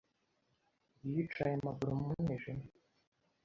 yicaye amaguru mu mwijima.